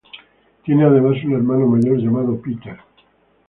Tiene además un hermano mayor llamado Peter.